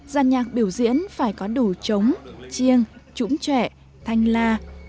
giàn nhạc biểu diễn phải có đủ trống chiêng trũng trẻ thanh la